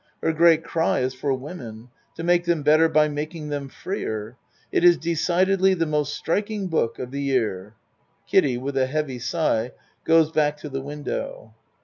Her great cry is for women to make them better by making them freer. It is decidedly the most striking book of the year. (Kiddie with a heavy sigh goes back to the window.)